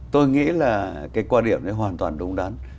tôi nghĩ là cái quan điểm đấy hoàn toàn đúng đắn